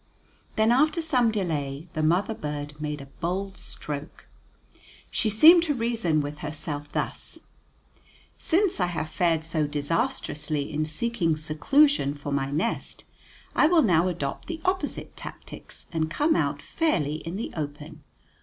Then, after some delay, the mother bird made a bold stroke. She seemed to reason with herself thus: "Since I have fared so disastrously in seeking seclusion for my nest, I will now adopt the opposite tactics, and come out fairly in the open.